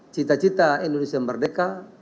cita cita indonesia merdeka